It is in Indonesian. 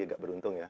ya nggak beruntung ya